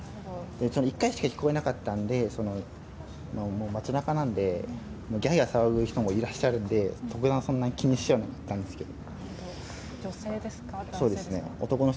１回しか聞こえなかったのでもう街中なのでギャーギャー騒ぐ人もいらっしゃるので特段、そんなに気にしてはいなかったんですけど。